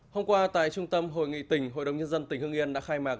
hôm qua tại trung tâm hội nghị tỉnh hội đồng nhân dân tỉnh hương yên đã khai mạc